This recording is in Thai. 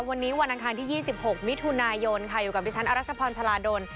วันนี้วันอังคารที่ยี่สิบหกมิถุนายนค่ะอยู่กับพี่ชั้นอรัชพรชาลาโดน